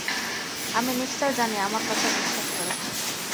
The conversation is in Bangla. আমি নিশ্চয় জানি, আমার কথা বিশ্বাস করো।